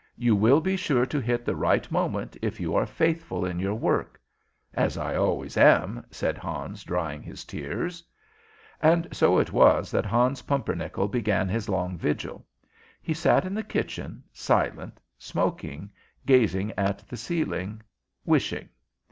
You will be sure to hit the right moment if you are faithful to your work." "As I always am," said Hans, drying his tears. [Illustration: "IT WAS A WEARY VIGIL, BUT HE WAS TRUE"] And so it was that Hans Pumpernickel began his long vigil. He sat in the kitchen, silent, smoking, gazing at the ceiling, wishing.